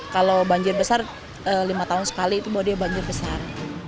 kalau banjir besar lima tahun sekali itu bahwa dia banjir besar